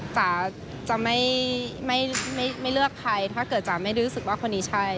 จ๋าจะไม่เลือกใครถ้าเกิดจ๋าไม่ได้รู้สึกว่าคนนี้ใช่